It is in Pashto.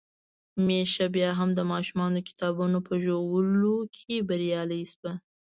ميښه بيا هم د ماشومانو د کتابونو په ژولو کې بريالۍ شوه.